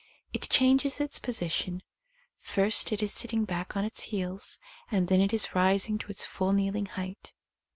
It changes its position ; first it is sitting back on its heels, and then it is rising to its full kneeling height.